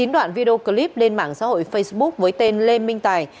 đoạn video clip lên mạng xã hội facebook với tên lê minh tài